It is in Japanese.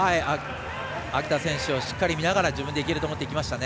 秋田選手をしっかり見ながら自分でいけると思っていきましたね。